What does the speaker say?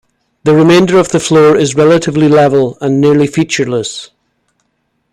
The remainder of the floor is relatively level and nearly featureless.